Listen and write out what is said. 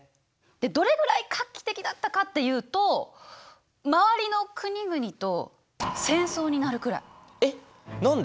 どれぐらい画期的だったかっていうと周りの国々とえっ何で？